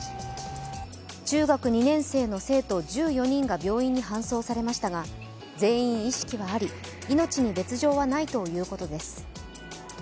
中学２年生の生徒１４人が病院に搬送されましたが、全員意識はあり、命に別状はないということです。